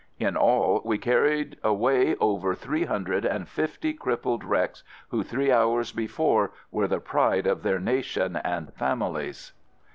In all we carried away over three hundred and fifty crip pled wrecks who three hours before were the pride of their nation and families